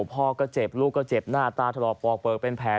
พ่อก็เจ็บลูกก็เจ็บหน้าตาถลอกปอกเปลือกเป็นแผล